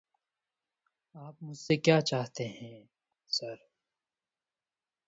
Gless and Tyne Daly jokingly called these "The Menopause Years".